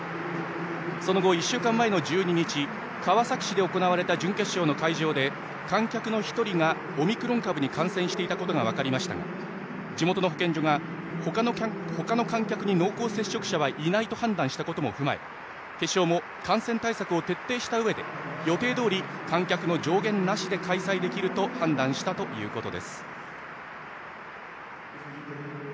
その後、１週間前の１２日川崎市で行われた準決勝の会場で観客の１人がオミクロン株に感染していたことが分かりましたが地元の保健所がほかの観客に濃厚接触者はいないと判断したことも踏まえ決勝も感染対策を徹底したうえで予定どおり観客の上限なしで開催できると判断したということです。